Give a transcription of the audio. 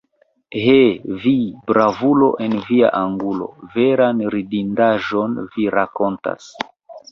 He, vi, bravulo en via angulo, veran ridindaĵon vi rakontas!